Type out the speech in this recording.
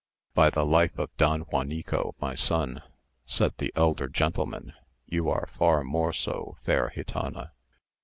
"By the life of Don Juanico, my son," said the elder gentleman, "you are far more so, fair gitana."